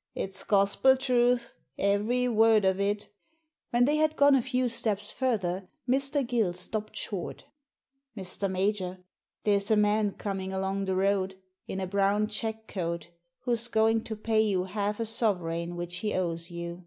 "" It's gospel truth, every word of it" When they had gone a few steps further Mr. Gill stopped short " Mr. Major, there's a man coming along the road, in a brown check coat, who's going to pay you half a sovereign which he owes you."